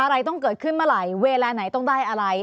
อะไรต้องเกิดขึ้นเมื่อไหร่เวลาไหนต้องได้อะไร